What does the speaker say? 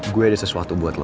gue ada sesuatu buat lo